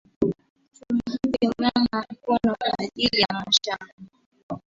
Tu muunge mama mukono kwa kaji ya mashamba